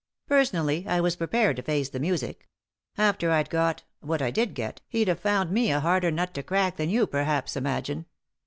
"Personally, I was prepared to face the music. After I'd got — what I did get, he'd have found me a harder nut to crack than you perhaps imagine."